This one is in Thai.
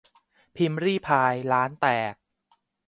พิมรี่พาย ล้านแตก